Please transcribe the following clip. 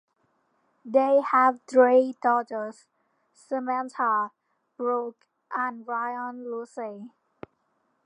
They have three daughters: Samantha, Brooke, and Ryan Lucy.